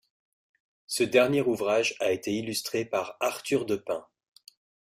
Ce dernier ouvrage a été illustré par Arthur de Pins.